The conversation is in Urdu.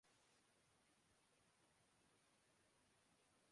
کمالہ خان عرف مس